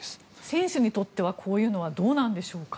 選手にとっては、こういうのはどうなんでしょうか。